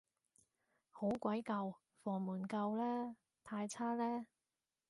好鬼舊，房門舊嘞，太差嘞